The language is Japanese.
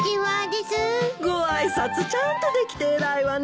ご挨拶ちゃんとできて偉いわね。